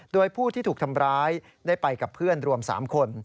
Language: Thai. โดยผู้ที่ถูกทำร้ายได้ไปกับเพื่อนรวม๓คน